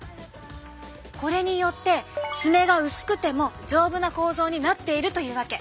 これによって爪が薄くても丈夫な構造になっているというわけ。